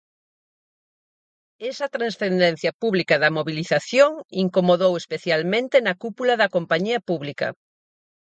Esa transcendencia pública da mobilización incomodou especialmente na cúpula da compañía pública.